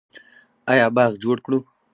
آیا باغ جوړ کړو؟